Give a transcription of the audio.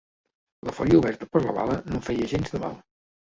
La ferida oberta per la bala no em feia gens de mal